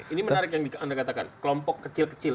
ini menarik yang anda katakan kelompok kecil kecil